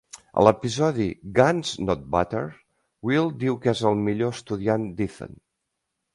A l'episodi "Guns Not Butter", Will diu que és el millor estudiant d'Eton.